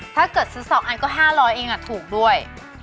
ถ้าเกิดสองอันก็๕๐๐เองอ่ะถูกด้วย